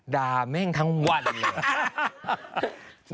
แม่งทั้งวันเลย